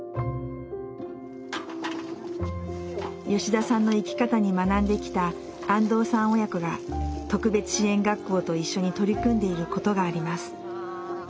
吉田さんの生き方に学んできた安藤さん親子が特別支援学校と一緒に取り組んでいることがあります。